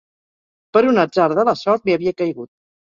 Per un atzar de la sort li havia caigut